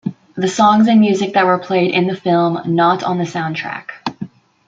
The songs and music that were played in the film not on the soundtrack.